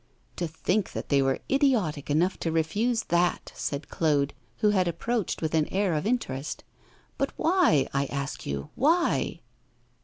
'To think that they were idiotic enough to refuse that!' said Claude, who had approached with an air of interest. But why, I ask you, why?